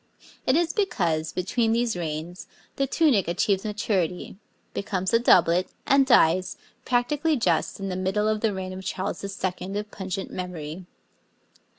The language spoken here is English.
It is because, between these reigns, the tunic achieves maturity, becomes a doublet, and dies, practically just in the middle of the reign of Charles II. of pungent memory.